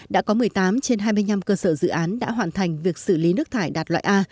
đã có một mươi tám trên hai mươi năm cơ sở dự án đã hoàn thành việc xử lý nước thải đạt loại a